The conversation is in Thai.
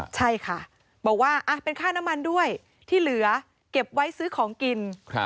ใช่ค่ะบอกว่าเป็นค่าน้ำมันด้วยที่เหลือเก็บไว้ซื้อของกิน